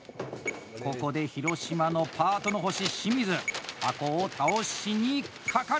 ここで広島のパートの星・清水箱を倒しにかかる！